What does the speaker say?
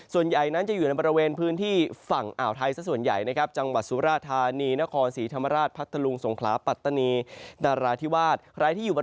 ส่วนใหญ่นั้นจะอยู่ในบริเวณพื้นที่ฝั่งอ่าวไทย